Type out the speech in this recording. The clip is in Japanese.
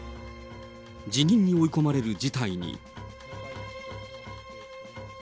辞任に追い込まれる事態に。